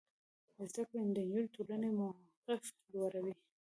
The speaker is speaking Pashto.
زده کړه د نجونو ټولنیز موقف لوړوي.